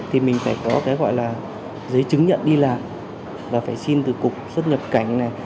thì mình phải có cái gọi là giấy chứng nhận đi làm và phải xin từ cục xuất nhập cảnh này